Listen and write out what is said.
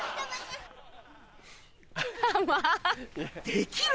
・できる？